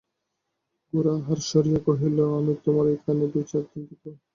গোরা আহার সারিয়া কহিল, আমি তোমার এখানে দু-চার দিন থাকব।